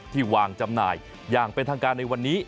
วางจำหน่ายอย่างเป็นทางการในวันนี้